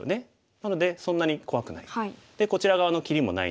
なのでそんなに怖くない。